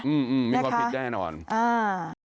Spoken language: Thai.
อืมไม่ว่าพี่แจ้งหวาน